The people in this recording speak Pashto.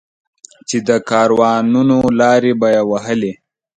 چې د کاروانونو لارې به یې وهلې.